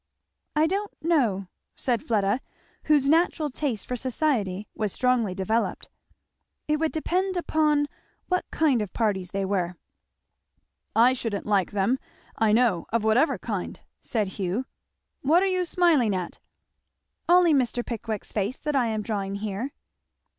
"I don't know," said Fleda, whose natural taste for society was strongly developed; "it would depend upon what kind of parties they were." "I shouldn't like them, I know, of whatever kind," said Hugh. "What are you smiling at?" "Only Mr. Pickwick's face, that I am drawing here."